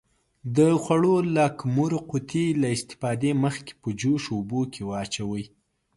د خوړو لاکمُر قوطي له استفادې مخکې په جوش اوبو کې واچوئ.